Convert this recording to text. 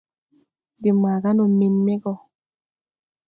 De maga ndɔ men me gɔ.